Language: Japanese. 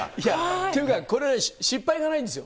っていうか、これ、失敗がないんですよ。